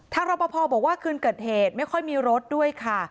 รอปภบอกว่าคืนเกิดเหตุไม่ค่อยมีรถด้วยค่ะ